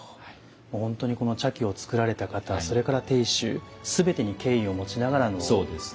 もう本当にこの茶器を作られた方それから亭主全てに敬意を持ちながらの席になるわけですね。